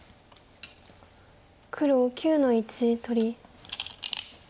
黒９の一取り。